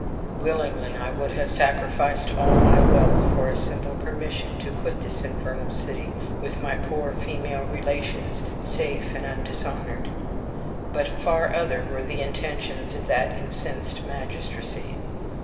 Willingly I would have sacrificed all my wealth for a simple permission to quit this infernal city with my poor female relations safe and undishonored. But far other were the intentions of that incensed magistracy.